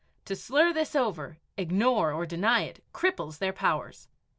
To slur this over, ignore, or deny it, cripples their powers.